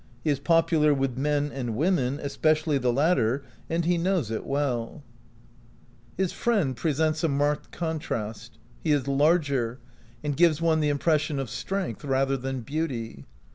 He is popular with men and women, especially the latter, and he knows it well. 4 OUT OF BOHEMIA His friend presents a marked contrast. He is larger, and gives one the impression of strength rather than beauty.